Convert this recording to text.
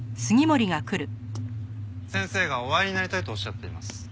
先生がお会いになりたいとおっしゃっています。